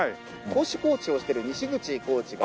投手コーチをしている西口コーチが。